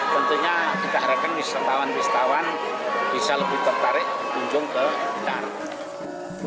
tentunya kita harapkan wisatawan wisatawan bisa lebih tertarik kunjung ke utara